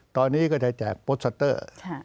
ตอนนี้ก็จะแจกโปสเตอร์